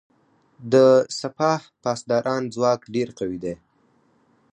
د سپاه پاسداران ځواک ډیر قوي دی.